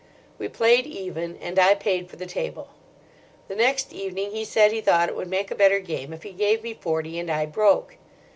We played even, and I paid for the table. The next evening he said he thought it would make a better game if he gave me forty and I broke.